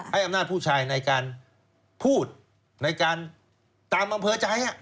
ให้อำนาจผู้ชายในการพูดในการตามอำเภอใจ